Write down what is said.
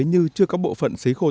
như chưa có bộ phận xấy khô chất